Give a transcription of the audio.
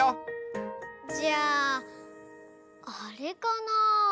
じゃああれかな？